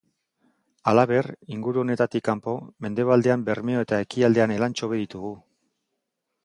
Halaber, inguru honetatik kanpo, mendebaldean Bermeo eta ekialdean Elantxobe ditugu.